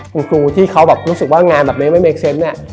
คุณครูที่เขาแบบรู้สึกว่างานแบบนี้ไม่เมคเซนต์